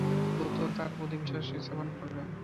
লূত তার প্রতি বিশ্বাস স্থাপন করল।